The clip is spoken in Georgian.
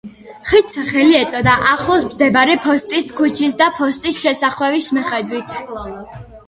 ხიდს სახელი ეწოდა ახლოს მდებარე ფოსტის ქუჩის და ფოსტის შესახვევის მიხედვით.